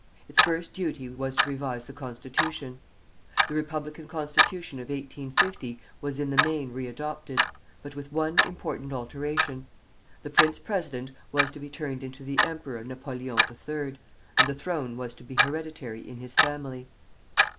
Its first duty was to revise the constitution. The republican constitution of 1850 was in the main re adopted, but with one important alteration. The prince president was to be turned into the Emperor Napoleon III., and the throne was to be hereditary in his family.